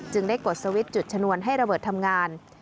ได้กดสวิตช์จุดชนวนให้ระเบิดทำงาน